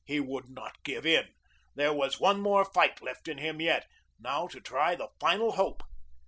He would not give in. There was one more fight left in him yet. Now to try the final hope.